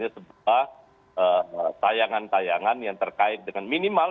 sebuah tayangan tayangan yang terkait dengan minimal